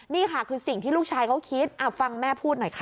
นี่ค่ะคือสิ่งที่ลูกชายเขาคิดฟังแม่พูดหน่อยค่ะ